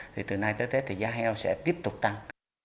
thì từ nay tới tết thì giá heo sẽ tiếp tục tăng